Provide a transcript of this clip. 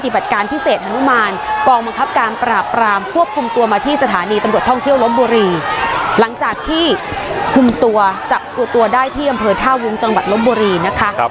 บัตรการพิเศษฮนุมานกองบังคับการปราบปรามพวกคุมตัวมาที่สถานีตำรวจท่องเที่ยวลบบุรีหลังจากที่คุมตัวจับตัวตัวได้ที่อำเภอท่าวุงจังหวัดลบบุรีนะคะ